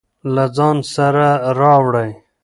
له ځان سره راوړئ.